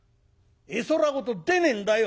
絵空事出ねえんだよ！」。